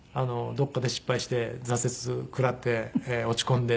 どこかで失敗して挫折を食らって落ち込んでっていうその。